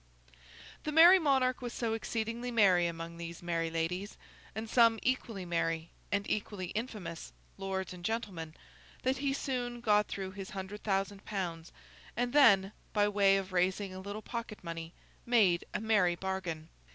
The Merry Monarch was so exceedingly merry among these merry ladies, and some equally merry (and equally infamous) lords and gentlemen, that he soon got through his hundred thousand pounds, and then, by way of raising a little pocket money, made a merry bargain.